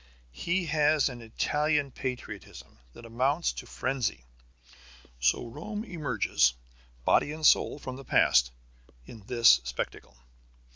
He has an Italian patriotism that amounts to frenzy. So Rome emerges body and soul from the past, in this spectacle.